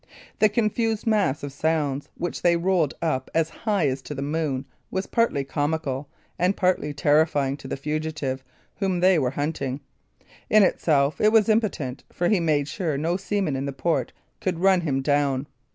The confused mass of sound which they rolled up as high as to the moon was partly comical and partly terrifying to the fugitive whom they were hunting. In itself, it was impotent, for he made sure no seaman in the port could run him down.